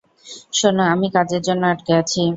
শোনো, আমি কাজের জন্য আটকে আছি।